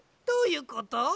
どういうこと？